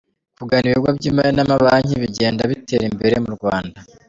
Kugana ibigo by’imari n’amabanki bigenda bitera imbere mu Rwanda.